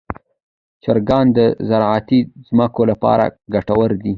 چرګان د زراعتي ځمکو لپاره ګټور دي.